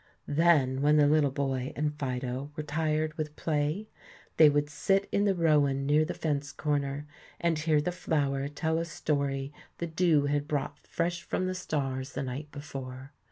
Then, when the little boy and Fido were tired with play, they would sit in the rowen near the fence corner and hear the flower tell a story the dew had brought fresh from the stars the night before.